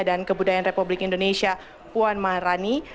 dan kebudayaan republik indonesia puan maharani